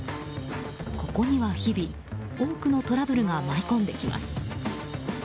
ここには日々、多くのトラブルが舞い込んできます。